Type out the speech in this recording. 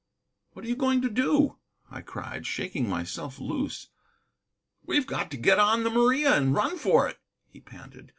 "What are you going to do?" I cried, shaking myself loose. "We've got to get on the Maria and run for it," he panted.